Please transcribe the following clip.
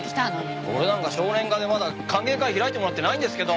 俺なんか少年課でまだ歓迎会開いてもらってないんですけど。